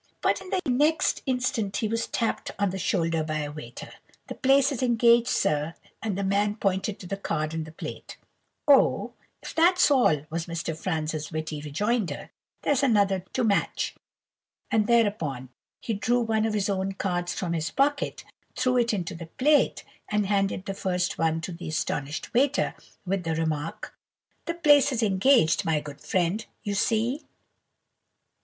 "But the next instant he was tapped on the shoulder by a waiter. "'The place is engaged, sir!' and the man pointed to the card in the plate. "'Oh, if that's all,' was Mr. Franz's witty rejoinder, 'here's another to match!' and thereupon he drew one of his own cards from his pocket, threw it into the plate, and handed the first one to the astonished waiter, with the remark:— "'The place is engaged, my good friend, you see!